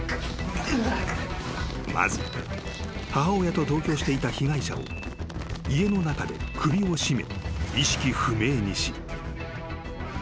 ［まず母親と同居していた被害者を家の中で首を絞め意識不明にし］